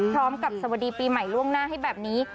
พร้อมกับสวดีปีใหม่ล่วงหน้าให้แบบนี้